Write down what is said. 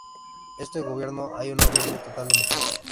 Este gobierno hay una ausencia total de mujeres.